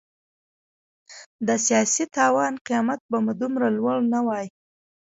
د سیاسي تاوان قیمت به مو دومره لوړ نه وای.